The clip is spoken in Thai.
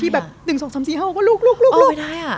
ที่แบบหนึ่งสองสามสี่ห้าว่าลูกลูกลูกลูกเออไม่ได้อ่ะ